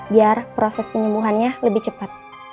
biar proses penyembuhannya lebih cepat